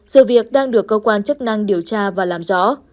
sự việc đang được cơ quan chức năng điều tra và làm rõ